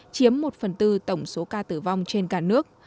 chiếm một phần tư tổng số ca tử vong trên cả nước